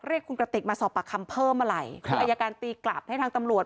เรียกคุณกระติกมาสอบปากคำเพิ่มอะไรคืออายการตีกลับให้ทางตำรวจ